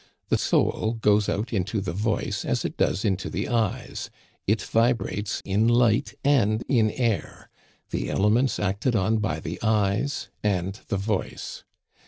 The soul goes out into the voice as it does into the eyes; it vibrates in light and in air the elements acted on by the eyes and the voice.